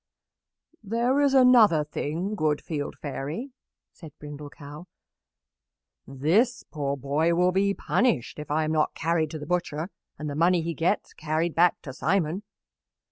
"There is another thing, good Field Fairy," said Brindle Cow. "This poor boy will be punished if I am not carried to the butcher and the money he gets carried back to Simon.